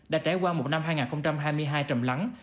đã trải qua một năm hai nghìn hai mươi hai trầm lắng